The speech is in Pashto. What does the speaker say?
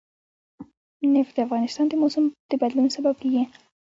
نفت د افغانستان د موسم د بدلون سبب کېږي.